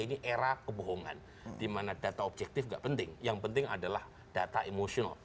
ini era kebohongan dimana data objektif gak penting yang penting adalah data emosional